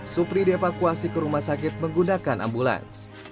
supri dievakuasi ke rumah sakit menggunakan ambulans